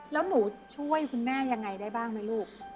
แล้วหนูช่วยคุณแม่ยังไงได้บ้างไหมลูก